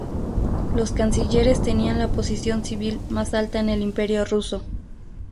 Los cancilleres tenían la posición civil más alta en el Imperio ruso.